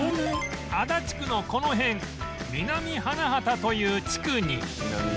足立区のこの辺南花畑という地区に